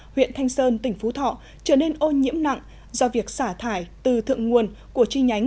huyện thanh sơn tỉnh phú thọ trở nên ô nhiễm nặng do việc xả thải từ thượng nguồn của chi nhánh